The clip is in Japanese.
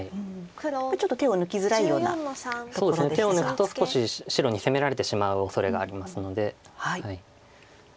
手を抜くと少し白に攻められてしまうおそれがありますので。